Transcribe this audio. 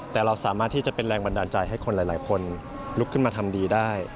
แต่เราสามารถที่จะเป็นแรงบันดาลใจให้คนหลายคนลุกขึ้นมาทำดีได้